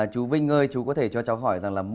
chú vinh ơi chú có thể cho cháu hỏi rằng là